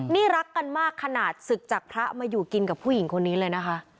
นี่รักกันมากขนาดศึกจากพระมาอยู่กินกับผู้หญิงคนนี้เลยนะคะ